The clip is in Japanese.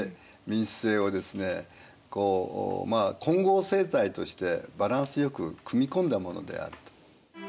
混合政体としてバランスよく組み込んだものであると。